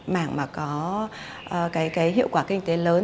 mảng mà có cái hiệu quả kinh tế lớn